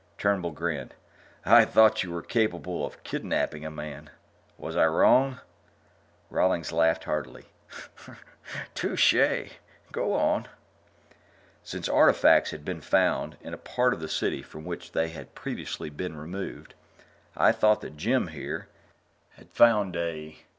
Turnbull grinned. "I thought you were capable of kidnaping a man. Was I wrong?" Rawlings laughed heartily. "Touché. Go on." "Since artifacts had been found in a part of the City from which they had previously been removed, I thought that Jim, here, had found a